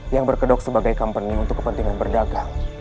yang berkedok sebagai company untuk kepentingan berdagang